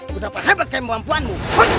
ku dapat hebat kayak perempuanmu